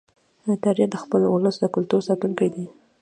تاریخ د خپل ولس د کلتور ساتونکی دی.